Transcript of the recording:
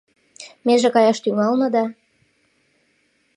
Меже каяш тӱҥална да